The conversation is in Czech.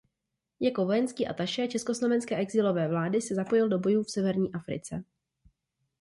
Jako vojenský atašé československé exilové vlády se zapojil do bojů v Severní Africe.